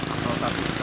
atau rp satu tiga juta